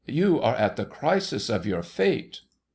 ' You are at the crisis of your fate.